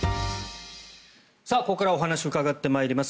ここからお話を伺ってまいります。